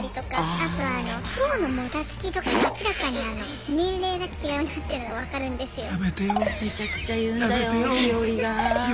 あとあの頬のもたつきとか明らかに年齢が違うなっていうのが分かるんですよ。